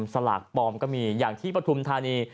สลากปลอมก็มีอย่างที่ปฐุมธานี